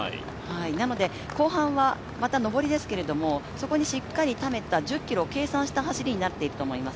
なので、後半はまた上りですけど、そこにしっかりためた１０ｋｍを計算した走りになっていると思います。